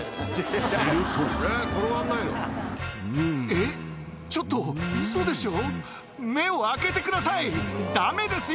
えっちょっとウソでしょ！